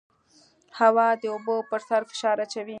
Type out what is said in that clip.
هوا د اوبو پر سر فشار اچوي.